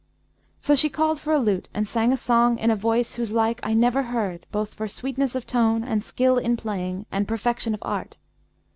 So she called for a lute and sang a song in a voice whose like I never heard, both for sweetness of tone and skill in playing, and perfection of art.